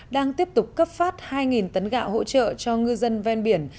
đang tiếp tục cấp phát hai tấn gạo hỗ trợ cho ngư dân ven biển